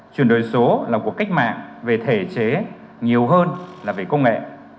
chuyển đổi số là một cuộc cách mạng về thể chế nhiều hơn là về công nghệ